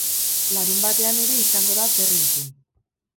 Larunbatean ere izango da zer entzun.